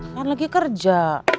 kan lagi kerja